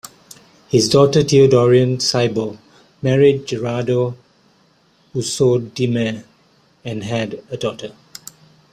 His daughter Teodorina Cybo married Gerardo Usodimare and had a daughter.